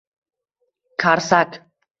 Karsak